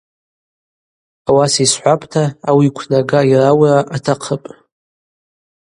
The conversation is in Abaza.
Ауаса йсхӏвапӏта, ауи йквнага йраура атахъыпӏ.